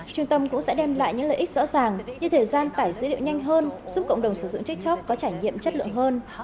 trung tâm cũng sẽ đem lại những lợi ích rõ ràng như thời gian tải dữ liệu nhanh hơn giúp cộng đồng sử dụng tiktok có trải nghiệm chất lượng hơn